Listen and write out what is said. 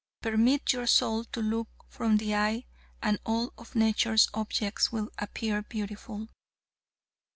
Permit your soul to look from the eye and all of nature's objects will appear beautiful.